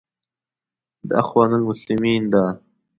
دا اخوان المسلمین ده.